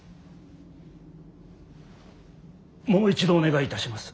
もう一度お願いいたします。